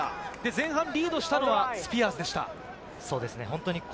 前半リードしたのはスピアーズでした。